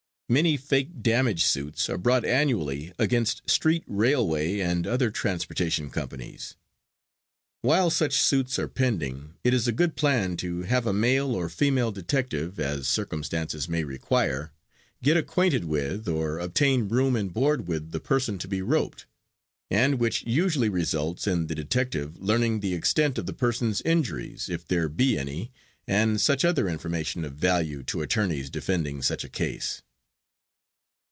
Many fake damage suits are brought annually against street railway and other transportation companies. While such suits are pending it is a good plan to have a male or female detective, as circumstances may require, get acquainted with, or obtain room and board with the person to be "roped," and which usually results in the detective learning the extent of the person's injuries, if there be any, and such other information of value to attorneys defending such a case.